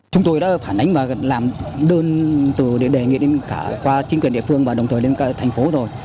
chúng tôi đã phản ánh và làm đơn từ để đề nghị đến cả qua chính quyền địa phương và đồng thời đến cả thành phố rồi